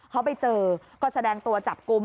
เขาไปเจอก็แสดงตัวจับกลุ่ม